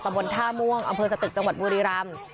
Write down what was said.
บนท่าม่วงอำเภอสตึกจังหวัดบุรีรำ